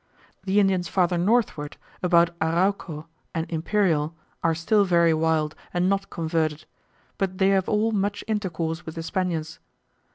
The Indians farther northward, about Arauco and Imperial, are still very wild, and not converted; but they have all much intercourse with the Spaniards.